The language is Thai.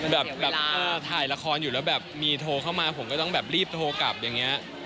แบบถ่ายละครอยู่แล้วแบบมีโทรเข้ามาผมก็ต้องแบบรีบโทรกลับอย่างนี้